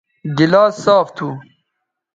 گلاس صاف تھو